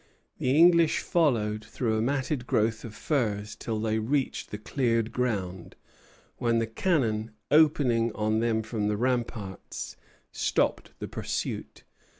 The English followed through a matted growth of firs till they reached the cleared ground; when the cannon, opening on them from the ramparts, stopped the pursuit.